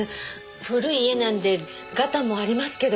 古い家なんでガタもありますけど。